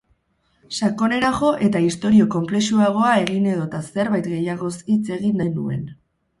Sakonera jo eta istorio konplexuagoa egin edota zerbait gehiagoz hitz egin nahi nuen.